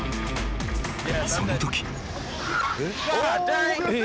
［そのとき］